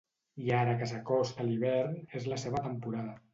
I ara que s'acosta l'hivern és la seva temporada.